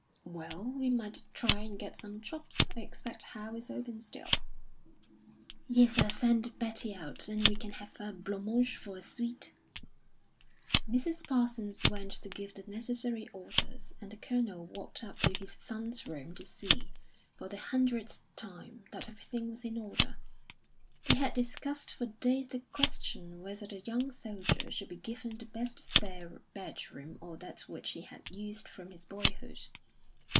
"Well, we might try and get some chops. I expect Howe is open still." "Yes, I'll send Betty out. And we can have a blanc mange for a sweet." Mrs. Parsons went to give the necessary orders, and the Colonel walked up to his son's room to see, for the hundredth time, that everything was in order. They had discussed for days the question whether the young soldier should be given the best spare bedroom or that which he had used from his boyhood.